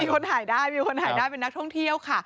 คนถ่ายได้มีคนถ่ายได้เป็นนักท่องเที่ยวค่ะ